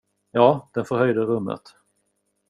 Ja, den förhöjde rummet.